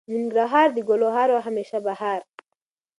ننګرهار د ګلو هار او همیشه بهار.